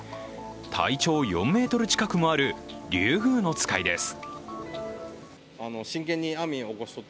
体長４ｍ近くもあるリュウグウノツカイです。